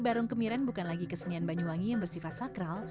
barong kemiren bukan lagi kesenian banyuwangi yang bersifat sakral